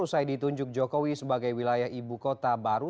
usai ditunjuk jokowi sebagai wilayah ibu kota baru